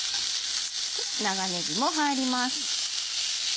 長ねぎも入ります。